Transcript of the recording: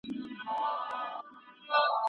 که ځوانان شعوري سي سياسي ثبات به رامنځته سي.